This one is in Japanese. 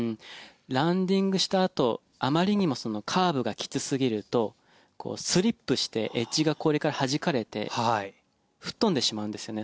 ランディングしたあとあまりにもカーブがきつすぎるとスリップしてエッジが氷からはじかれて吹っ飛んでしまうんですよね。